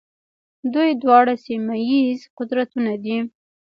دوی دواړه سیمه ییز قدرتونه دي.